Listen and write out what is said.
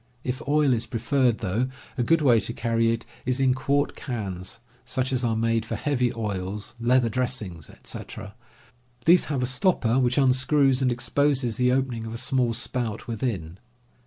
If oil is preferred, though, a good way to carry it is in quart cans such as are made for heavy oils, leather dressings, etc. These have a stopper which unscrews and exposes the opening of a small spout within.